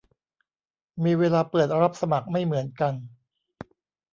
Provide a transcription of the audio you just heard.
มีเวลาเปิดรับสมัครไม่เหมือนกัน